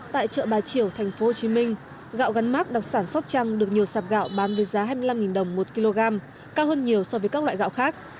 tại chợ bà triều tp hcm gạo gắn mát đặc sản sóc trăng được nhiều sạp gạo bán với giá hai mươi năm đồng một kg cao hơn nhiều so với các loại gạo khác